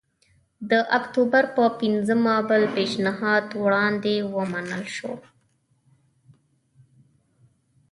د اکتوبر په پنځمه بل پېشنهاد وړاندې او ومنل شو